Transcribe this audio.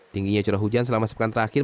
tingginya curah hujan selama sepuluh kan terakhir